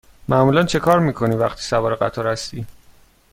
معمولا چکار می کنی وقتی سوار قطار هستی؟